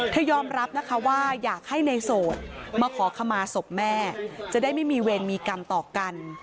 ยอมรับนะคะว่าอยากให้ในโสดมาขอขมาศพแม่จะได้ไม่มีเวรมีกรรมต่อกัน